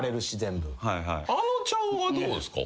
あのちゃんはどうっすか？